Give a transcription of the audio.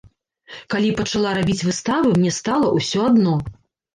Калі пачала рабіць выставы, мне стала ўсё адно.